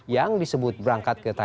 yang disebut berangkat kembali